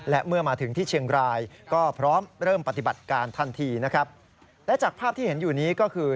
และจากภาพที่เห็นอยู่นี้ก็คือ